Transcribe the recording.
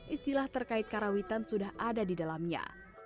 istilah terkait karawitan sudah ada di dalamnya